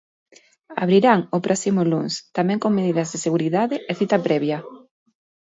Abrirán o próximo luns, tamén con medidas de seguridade e cita previa.